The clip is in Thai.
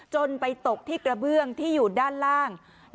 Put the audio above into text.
ไปตกที่กระเบื้องที่อยู่ด้านล่าง